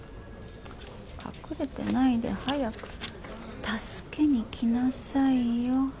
隠れてないで早く助けに来なさいよ。